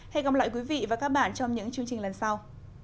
hẹn gặp lại quý vị và các bạn trong những chương trình lần sau